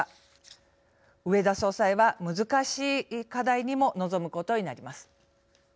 植田総裁は難しい課題にも臨むことになります。